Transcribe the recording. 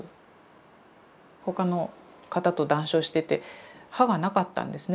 他の方と談笑してて歯がなかったんですね。